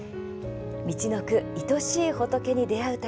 「みちのくいとしいホトケに出会う旅」